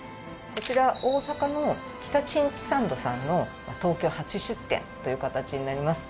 こちら大阪の北新地サンドさんの東京初出店という形になります